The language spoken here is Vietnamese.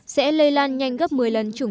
sẽ lây lan nhanh gấp một mươi lần